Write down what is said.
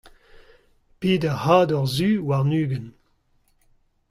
peder c'hador zu warn-ugent.